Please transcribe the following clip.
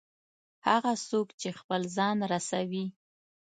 هغه څوک چې خپل ځان رسوي.